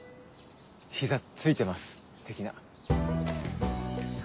膝ついてます的な？は？